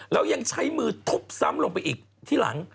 แล้วยังใช้มือทุบซ้ำลงไปอีกที่หลัง